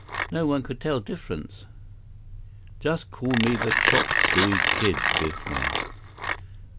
No one could tell difference." "Just call me the Chop Suey Kid," Biff laughed.